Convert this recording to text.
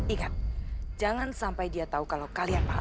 ingat jangan sampai dia tahu kalau kalian mahal